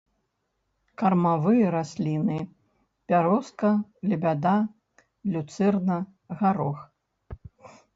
Кармавыя расліны бярозка, лебяда, люцэрна, гарох.